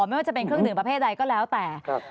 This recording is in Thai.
ไม่ว่าจะเป็นเครื่องดื่มประเภทใดก็แล้วแต่